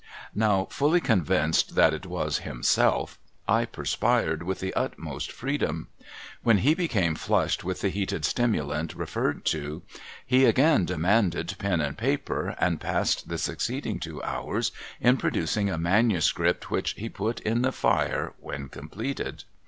Now fully convinced that it was Himself, I perspired with the utmost freedom. When he become flushed with the heated stimulant referred to, he again demanded pen and paper, and passed the succeeding two hours in producing a manuscript which he put in the fire when completed.